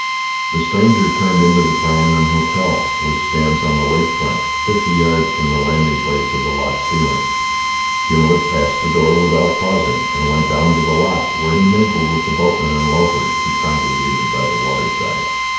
The stranger turned into the Crianan Hotel, which stands on the lake front, fifty yards from the landing place of the loch steamers. Gimblet passed the door without pausing and went down to the loch, where he mingled with the boatmen and loafers who congregated by the waterside.